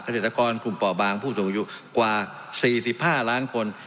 เกษตรกรกลุ่มป่อบางผู้สูงอายุกว่า๔๕ล้านคน